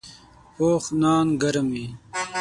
پوخ نان ګرم وي